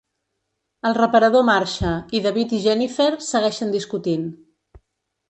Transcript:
El reparador marxa i David i Jennifer segueixen discutint.